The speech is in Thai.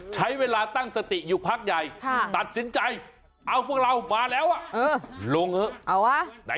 ใช้เวลาตั้งสติอยู่พักใหญ่ตัดสินใจเอาพวกเรามาแล้วลงเถอะ